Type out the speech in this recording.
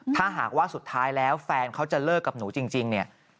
ถ้าหากว่าสุดท้ายแล้วแฟนเขาจะเลิกกับหนูจริงเนี่ย